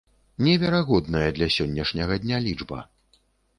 Неверагодная для сённяшняга дня лічба.